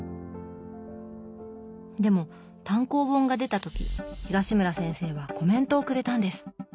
でも単行本が出た時東村先生はコメントをくれたんです。